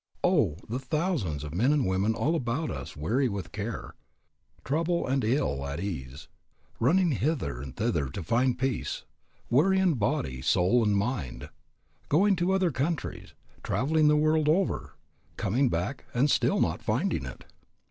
Oh, the thousands of men and women all about us weary with care, troubled and ill at ease, running hither and thither to find peace, weary in body, soul, and mind; going to other countries, traveling the world over, coming back, and still not finding it.